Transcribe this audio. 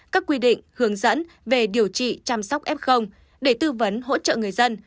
các quy định hướng dẫn về điều trị chăm sóc f để tư vấn hỗ trợ người dân